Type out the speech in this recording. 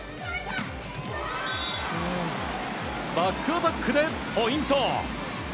バックアタックでポイント。